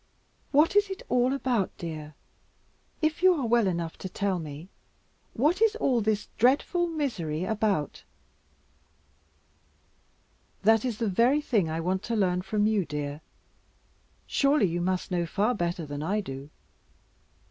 What is it all about, dear, if you are well enough to tell me, what is all this dreadful misery about?" "That is the very thing I want to learn from you, dear. Surely you must know better far than I do."